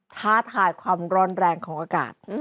ท้าทายความร้อนแรงของอากาศ